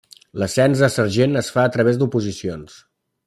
L'ascens a sergent es fa a través d'oposicions.